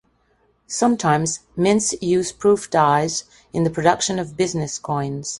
Sometimes mints use proof dies in the production of business coins.